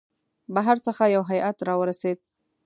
بهر څخه یو هیئات را ورسېد.